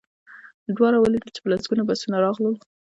دواړو ولیدل چې په لسګونه بسونه راغلل